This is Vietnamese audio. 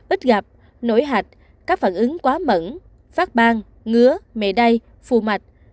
ít gặp nỗi hạch các phản ứng quá mẩn phát bang ngứa mề đay phù mạch